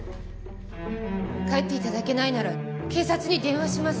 帰っていただけないなら警察に電話します。